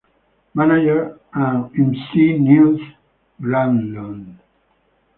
Manager and emcee Nils Granlund.